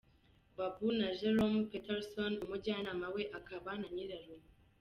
Babou na Jerome Patterson, umujyanama we akaba na Nyirarume.